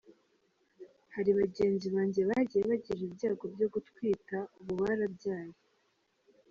Hari bagenzi banjye bagiye bagira ibyago byo gutwita ubu barabyaye.